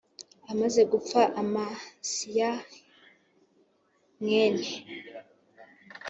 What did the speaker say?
amaze gupfa Amasiya e mwene